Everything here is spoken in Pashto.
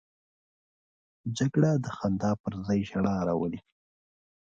جګړه د خندا پر ځای ژړا راولي